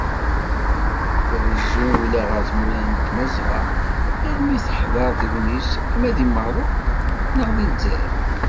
Trezzu ula ɣer tmura n Tmazɣa yal mi d-teḥḍer tegnit, ama di Merruk neɣ di Lezzayer.